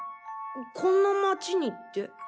こんな町にって？